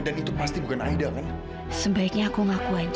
dan itu pasti bukan aida kan